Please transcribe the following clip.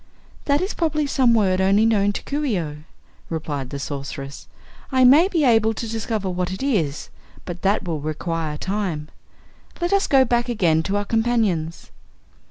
"That is probably some word only known to Coo ce oh," replied the Sorceress. "I may be able to discover what it is, but that will require time. Let us go back again to our companions."